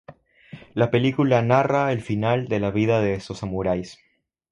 La película narra el final de la vida de estos samuráis.